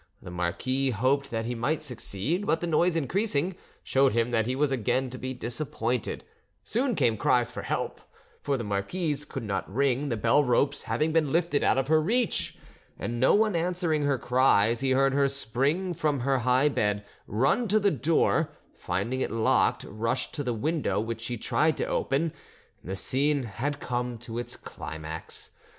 The marquis hoped that he might succeed, but the noise increasing, showed him that he was again to be disappointed; soon came cries for help, for the marquise could not ring, the bell ropes having been lifted out of her reach, and no one answering her cries, he heard her spring from her high bed, run to the door, and finding it locked rush to the window, which she tried to open: the scene had come to its climax.